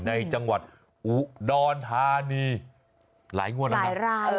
ในจังหวัดอุดรธานีหลายงวดแล้วนะหลาย